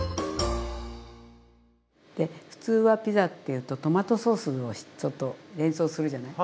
普通はピザっていうとトマトソースをちょっと連想するじゃない。